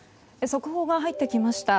速報が入ってきました。